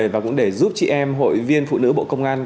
và cũng để giúp chị em hội viên phụ nữ bộ công an